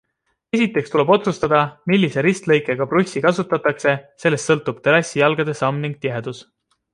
Esiteks tuleb otsustada, millise ristlõikega prussi kasutatakse, sellest sõltub terrassijalgade samm ning tihedus.